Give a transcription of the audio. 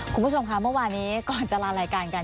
คุณผู้ชมค่ะเมื่อวานี้ก่อนจะลารายการกัน